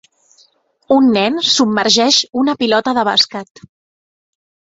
Un nen submergeix una pilota de bàsquet.